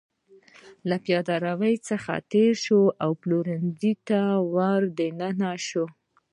له پېاده رو څخه تېره شوه او پلورنځي ته ور دننه شوه.